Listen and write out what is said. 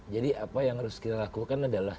jadi apa yang harus kita lakukan adalah